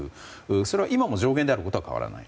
それは今も上限であることは変わらない。